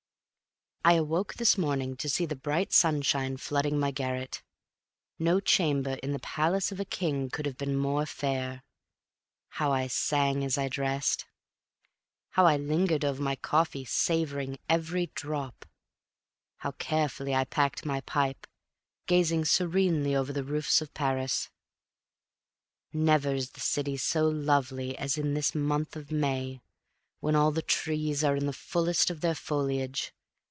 I awoke this morning to see the bright sunshine flooding my garret. No chamber in the palace of a king could have been more fair. How I sang as I dressed! How I lingered over my coffee, savoring every drop! How carefully I packed my pipe, gazing serenely over the roofs of Paris. Never is the city so lovely as in this month of May, when all the trees are in the fullness of their foliage.